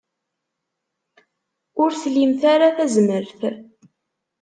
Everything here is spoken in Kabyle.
Ur tlimt ara tazmert.